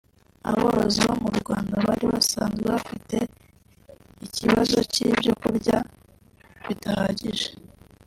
Aborozi bo mu Rwanda bari basanzwe bafite ikibazo cy’ibyo kurya bidahagije